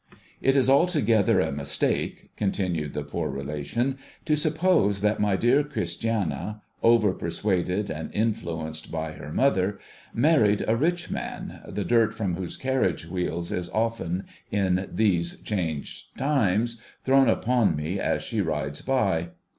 It is altogether a mistake (continued the poor relation) to suppose that my dear Christiana, over persuaded and influenced by her mother, married a rich man, the dirt from whose carriage wheels is often, in these changed times, thrown upon me as she rides by.